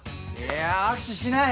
握手しない。